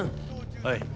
はい。